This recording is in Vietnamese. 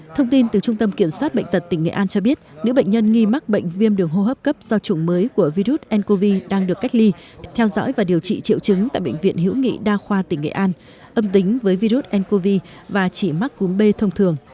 thông tin từ trung tâm kiểm soát bệnh tật tỉnh nghệ an cho biết nữ bệnh nhân nghi mắc bệnh viêm đường hô hấp cấp do chủng mới của virus ncov đang được cách ly theo dõi và điều trị triệu chứng tại bệnh viện hữu nghị đa khoa tỉnh nghệ an âm tính với virus ncov và chỉ mắc cúm b thông thường